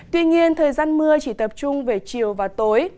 tuy nhiên thời gian mưa chỉ tập trung về chiều và tối